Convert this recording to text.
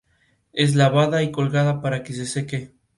Es lavada y colgada para que se seque.